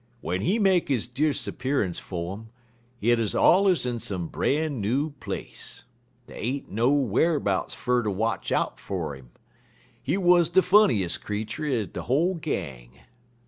"Wen he make his disappearance 'fo' um, hit 'uz allers in some bran new place. Dey ain't know wharbouts fer ter watch out fer 'im. He wuz de funniest creetur er de whole gang.